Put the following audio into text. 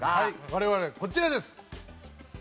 我々、こちらです。